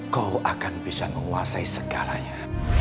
kau akan bisa menguasai segalanya